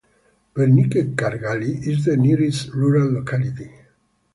Verkhniye Kargaly is the nearest rural locality.